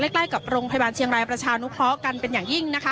ใกล้กับโรงพยาบาลเชียงรายประชานุเคราะห์กันเป็นอย่างยิ่งนะคะ